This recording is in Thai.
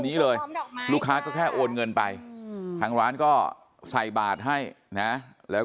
นี้เลยลูกค้าก็แค่โอนเงินไปทางร้านก็ใส่บาทให้นะแล้ว